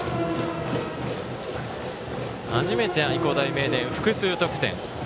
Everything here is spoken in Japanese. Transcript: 初めて愛工大名電、複数得点。